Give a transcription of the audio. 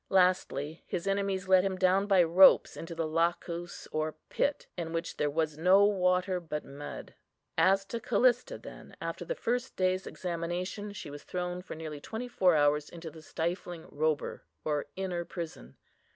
Lastly his enemies let him down by ropes into the lacus or pit, in which "there was no water, but mud." As to Callista, then, after the first day's examination, she was thrown for nearly twenty four hours into the stifling Robur, or inner prison.